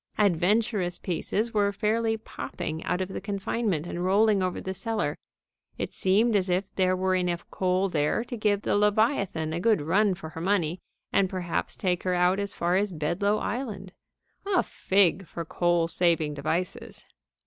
Adventurous pieces were fairly popping out of confinement and rolling over the cellar. It seemed as if there were enough coal there to give the Leviathan a good run for her money and perhaps take her out as far as Bedloe Island. A fig for coal saving devices!